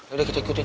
udah kita ikutin